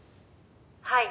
「はい。